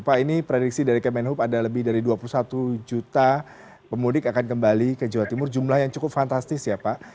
pak ini prediksi dari kemenhub ada lebih dari dua puluh satu juta pemudik akan kembali ke jawa timur jumlah yang cukup fantastis ya pak